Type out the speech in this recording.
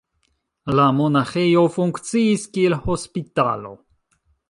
La monaĥejo funkciis kiel hospitalo.